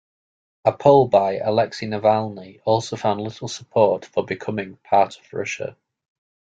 A poll by Alexei Navalny also found little support for becoming part of Russia.